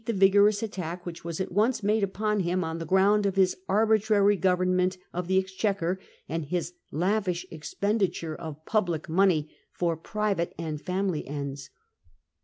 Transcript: the vigorous attack, which was at once made upon him on the ground of his arbitrary government of the exchequer and his lavish expenditure of public money for private and family ends.